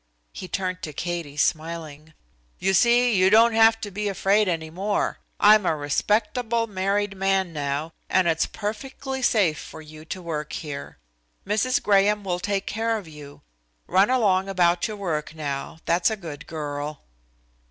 He turned to Katie, smiling. "You see you don't have to be afraid any more. I'm a respectable married man now, and it's perfectly safe for you to work here. Mrs. Graham will take care of you. Run along about your work now, that's a good girl."